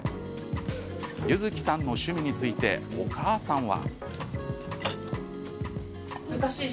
悠月さんの趣味についてお母さんは。